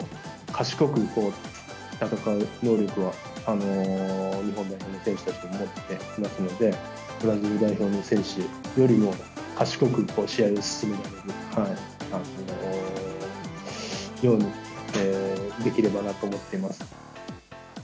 賢く戦う能力は、日本代表の選手たちも持っていますので、ブラジル代表の選手よりも、賢く試合を進められるようにできればなと思ってます。